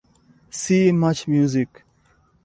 See march music.